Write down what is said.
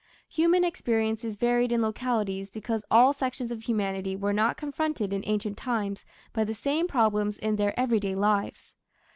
Human experiences varied in localities because all sections of humanity were not confronted in ancient times by the same problems in their everyday lives.